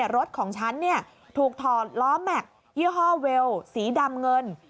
รถของฉันถูกถอดล้อแม็กซ์ยี่ห้อเวลสีดำเงิน